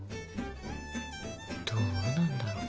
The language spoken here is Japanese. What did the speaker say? どうなんだろう。